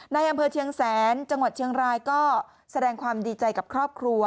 ในอำเภอเชียงแสนจังหวัดเชียงรายก็แสดงความดีใจกับครอบครัว